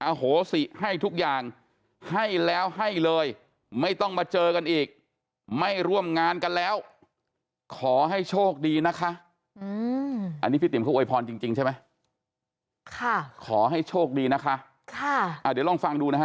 โหสิให้ทุกอย่างให้แล้วให้เลยไม่ต้องมาเจอกันอีกไม่ร่วมงานกันแล้วขอให้โชคดีนะคะอันนี้พี่ติ๋มเขาอวยพรจริงใช่ไหมค่ะขอให้โชคดีนะคะเดี๋ยวลองฟังดูนะฮะ